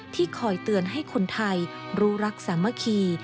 คอยเตือนให้คนไทยรู้รักสามัคคี